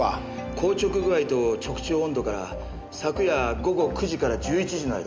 硬直具合と直腸温度から昨夜午後９時から１１時の間です。